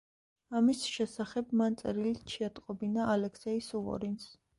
ამის შესახებ მან წერილით შეატყობინა ალექსეი სუვორინს.